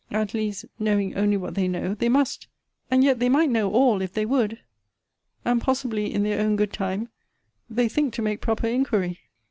at least, knowing only what they know, they must! and yet they might know all, if they would! and possibly, in their own good time, they think to make proper inquiry.